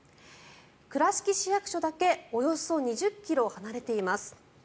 倉敷市役所だけおよそ２０ｋｍ離れています。